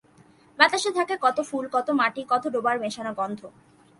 বাতাসে থাকে কত ফুল, কত মাটি, কত ডোবার মেশানো গন্ধ।